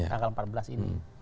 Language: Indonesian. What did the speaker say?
tanggal empat belas ini